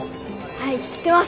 はい知ってます。